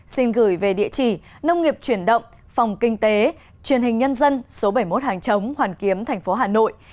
xin gửi về địa chỉ nông nghiệp truyền động phòng kinh tế truyền hình nhân dân số bảy mươi một hàng chống hoàn kiếm tp hà nội